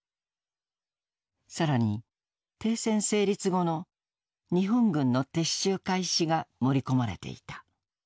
更に「停戦成立後の日本軍の撤収開始」が盛り込まれていた。